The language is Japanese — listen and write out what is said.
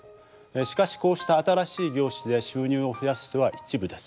しかしこうした新しい業種で収入を増やす人は一部です。